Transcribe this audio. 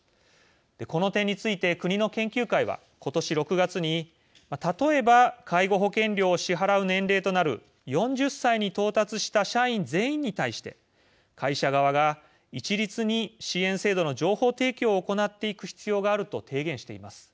この点について、国の研究会は今年６月に例えば、介護保険料を支払う年齢となる４０歳に到達した社員全員に対して会社側が一律に支援制度の情報提供を行っていく必要があると提言しています。